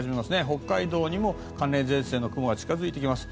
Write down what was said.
北海道にも寒冷前線の雲が近付いてきます。